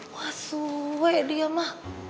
wah suwe dia ma